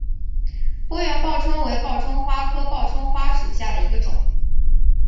波缘报春为报春花科报春花属下的一个种。